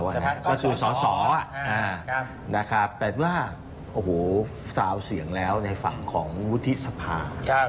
เข้าสู่สอสอนะครับแต่ว่าโอ้โหซาวเสียงแล้วในฝั่งของวุฒิสภา